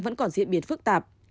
vẫn còn diễn biến phức tạp